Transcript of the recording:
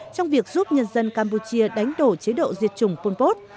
trong việc giúp nhân dân campuchia đánh đổ chế độ diệt chủng pol pot